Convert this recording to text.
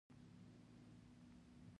په لوېدیځ کې بنسټونه ډېر متفاوت نه و.